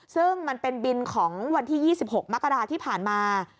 ซึ่งมันเป็นบินของวันที่๒๖มกราที่ผ่านมา